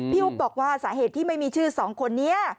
อุ๊บบอกว่าสาเหตุที่ไม่มีชื่อสองคนนี้